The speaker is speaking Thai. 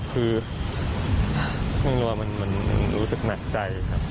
คือไม่รู้ว่ามันรู้สึกหนักใจครับ